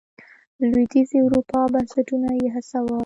لوېدیځې اروپا بنسټونه یې هڅول.